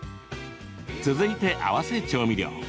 続いて、合わせ調味料。